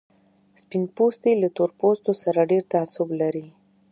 سپين پوستي له تور پوستو سره ډېر تعصب لري.